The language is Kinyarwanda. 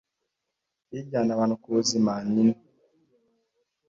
ijyana abantu ku buzima ni nto